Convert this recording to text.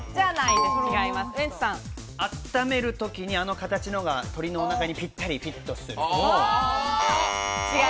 あっためる時に、あの形のが鳥のお腹にぴったりフィットする。